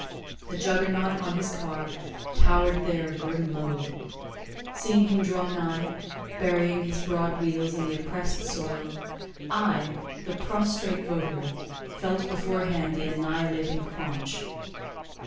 The juggernaut on his car towered there a grim load. Seeing him draw nigh, burying his broad wheels in the oppressed soil—I, the prostrate votary—felt beforehand the annihilating craunch.